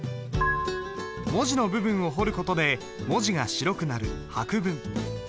文字の部分を彫る事で文字が白くなる白文。